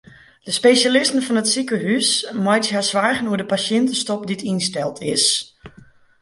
De spesjalisten fan it sikehús meitsje har soargen oer de pasjintestop dy't ynsteld is.